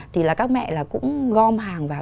thì là các mẹ là cũng gom hàng vào